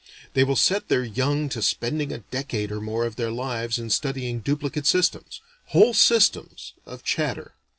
They will set their young to spending a decade or more of their lives in studying duplicate systems whole systems of chatter.